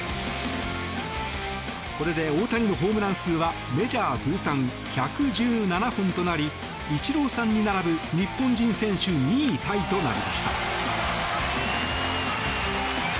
これで大谷のホームラン数はメジャー通算１１７本となりイチローさんに並ぶ日本人選手２位タイとなりました。